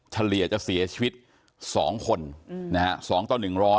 เฉลี่ยจะเสียชีวิต๒คนนะฮะ๒ต่อ๑๐๐